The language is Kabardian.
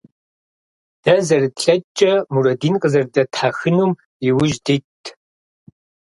Дэ, зэрытлъэкӀкӀэ, Мурэдин къызэрыдэтхьэхынум иужь дитт.